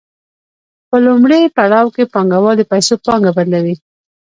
په لومړي پړاو کې پانګوال د پیسو پانګه بدلوي